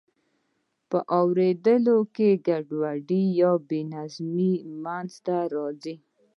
په اوریدو کې ګډوډي یا بې نظمي منځ ته راځي.